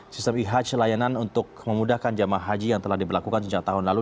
sistem e hajj layanan untuk memudahkan jemaah haji yang telah diberlakukan sejak tahun lalu